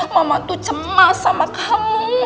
mama tuh cemas sama kamu